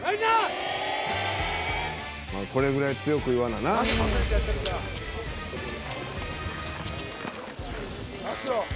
「これぐらい強く言わなな」早くしろ！